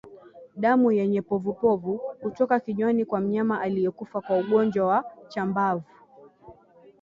Damu yenye povupovu hutoka kinywani kwa mnyama aliyekufa kwa ugonjwa wa chambavu